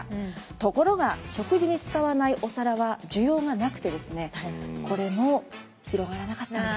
ところが食事に使わないお皿は需要がなくてですねこれも広がらなかったんです。